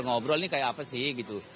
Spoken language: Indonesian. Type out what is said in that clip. ngobrol ini kayak apa sih gitu